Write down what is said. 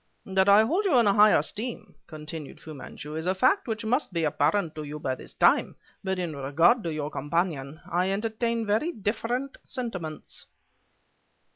"That I hold you in high esteem," continued Fu Manchu, "is a fact which must be apparent to you by this time, but in regard to your companion, I entertain very different sentiments...."